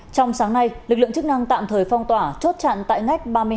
trong sáng nay lực lượng chức năng tạm thời phong tỏa chốt chặn tại ngách ba mươi hai